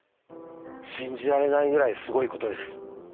信じられないぐらいすごいことです。